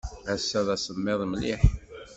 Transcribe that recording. Ass-a d asemmiḍ mliḥ.